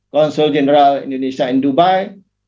konseul jenderal indonesia di dubai